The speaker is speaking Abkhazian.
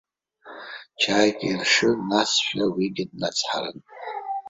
Чаик иршыр, насшәа уигьы днацҳарын.